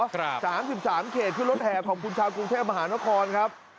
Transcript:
กลาง๓๓เขตขึ้นรถแห่ของคนชาวกรุงเทพมหานครครับ